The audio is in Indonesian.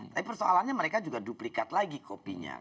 tapi persoalannya mereka juga duplikat lagi kopinya